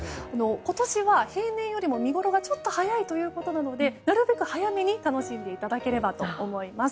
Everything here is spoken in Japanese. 今年は平年よりも見ごろがちょっと早いということなのでなるべく早めに楽しんでいただければと思います。